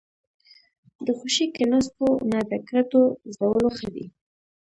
ـ د خوشې کېناستو نه د کرتو زدولو ښه دي.